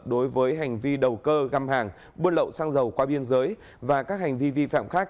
đối với hành vi đầu cơ găm hàng buôn lậu xăng dầu qua biên giới và các hành vi vi phạm khác